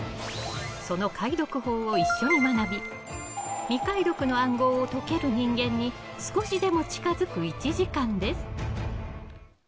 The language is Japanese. その解読法を一緒に学び未解読の暗号を解ける人間に少しでも近づく１時間です。